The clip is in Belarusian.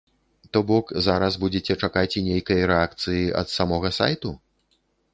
То бок зараз будзеце чакаць і нейкай рэакцыі ад самога сайту?